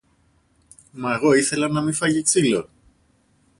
Μα εγώ ήθελα να μη φάγει ξύλο!